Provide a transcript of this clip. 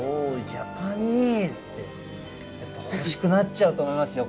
やっぱり欲しくなっちゃうと思いますよ